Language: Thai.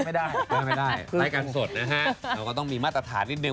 แก้ไม่ได้ภายการสดนะฮะเตรียมต้องมีมาตรฐานนิดหนึ่ง